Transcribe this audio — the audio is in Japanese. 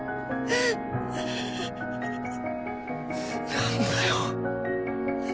なんだよ。